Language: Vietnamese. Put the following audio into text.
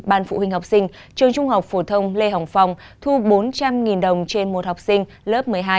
ban phụ huynh học sinh trường trung học phổ thông lê hồng phong thu bốn trăm linh đồng trên một học sinh lớp một mươi hai